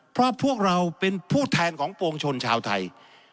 เพราะพวกเราเป็นผู้แทนของปวงชนชาวไทย